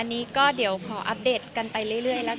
อันนี้ก็เดี๋ยวขออัปเดตกันไปเรื่อยแล้วกัน